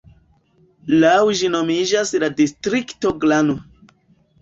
Laŭ ĝi nomiĝas la distrikto Glano.